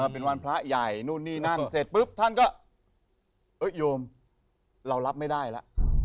เป็นวันพระใหญ่นู่นนี่นั่นเสร็จปุ๊บท่านก็โยมเรารับไม่ได้แล้ว